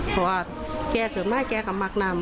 ผู้เหลี่ยงมากนี่เชื่อคักเลยละ